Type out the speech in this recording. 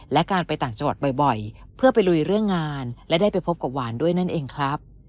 และการไปต่างจังหวัดบ่อยเพื่อไปลุยเรื่องงานและได้ไปพบกับหวานด้วยนั่นเองครับ